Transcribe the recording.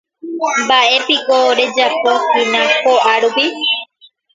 Mba'épiko rejapohína ko'árupi.